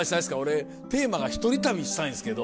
俺テーマが「一人旅」にしたいんすけど。